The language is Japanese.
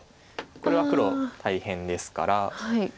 これは黒大変ですから。